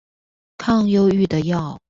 抗憂鬱的藥